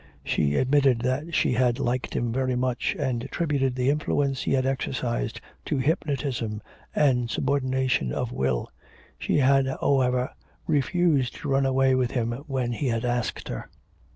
She admitted that she had liked him very much, and attributed the influence he had exercised to hypnotism and subordination of will. She had, however, refused to run away with him when he had asked her.